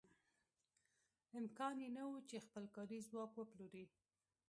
امکان یې نه و چې خپل کاري ځواک وپلوري.